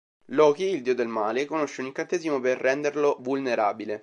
Loki, il dio del male, conosce un incantesimo per renderlo vulnerabile.